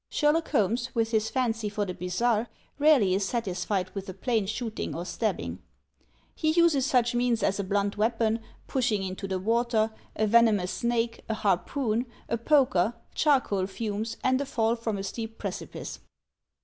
Sherlock Holmes, with his fancy for the bizarre, rarely is satisfied with a plain shooting or stabbing. He uses such means as a blunt weapon, pushing into the water, a venomous snake, a harpoon, a poker, charcoal fumes, and a fall from a steep precipice.